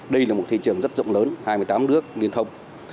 đây là một thị trường rất rộng lớn hai mươi tám nước liên thông